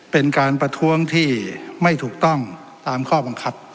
เป็นการประท้วงที่ไม่ถูกต้องตามข้อบังคับ